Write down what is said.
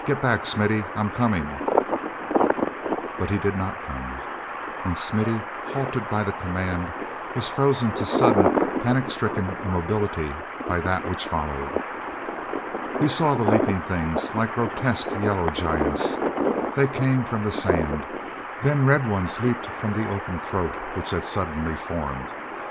"Get back, Smithy! I'm coming—" But he did not come; and Smithy, halted by the command, was frozen to sudden, panic stricken immobility by that which followed. He saw the leaping things, like grotesque yellow giants. They came from the sand; then red ones leaped up from the open throat that had suddenly formed.